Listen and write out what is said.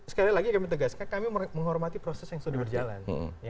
sekali lagi kami tegaskan kami menghormati proses yang sudah berjalan